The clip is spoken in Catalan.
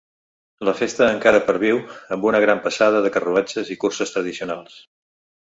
La festa encara perviu, amb una gran passada de carruatges i curses tradicionals.